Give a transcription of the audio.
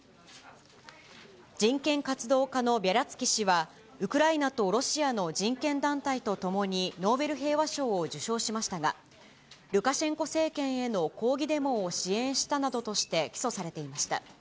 人権活動家のビャリャツキ氏は、ウクライナとロシアの人権団体とともにノーベル平和賞を受賞しましたが、ルカシェンコ政権への抗議デモを支援したなどとして起訴されていました。